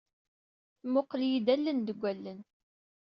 Tmuqel-iyi-d allen deg allen.